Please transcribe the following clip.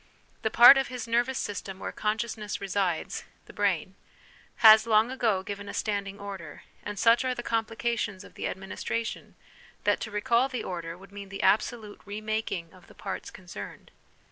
The part of his nervous system where consciousness resides (the brain) has long ago given a standing order, and such are the complications of the administration, that to recall the order would mean the absolute re making of the parts concerned.